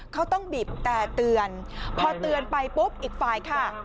เขาต้องบีบแต่เตือนพอเตือนไปปุ๊บอีกฝ่ายค่ะ